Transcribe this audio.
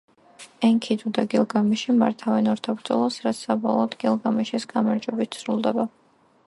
ენქიდუ და გილგამეში მართავენ ორთაბრძოლას, რაც საბოლოოდ გილგამეშის გამარჯვებით სრულდება.